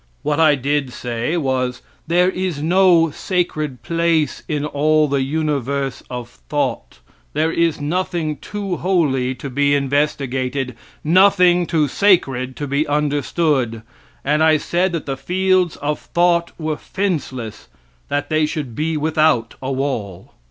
What I did say was: There is no sacred place in all the universe of thought; there is nothing too holy to be investigated, nothing too sacred to be understood, and I said that the fields of thought were fenceless, that they should be without a wall.